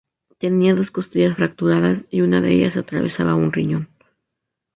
Tenía dos costillas fracturadas y una de ellas atravesaba un riñón.